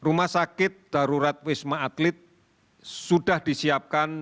rumah sakit darurat wisma atlet sudah disiapkan